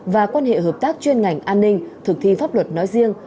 và quan hệ hợp tác chuyên ngành an ninh thực thi pháp luật nói riêng